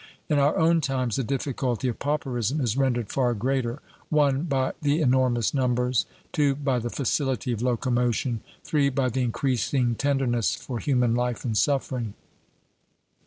In our own times the difficulty of pauperism is rendered far greater, (1) by the enormous numbers, (2) by the facility of locomotion, (3) by the increasing tenderness for human life and suffering.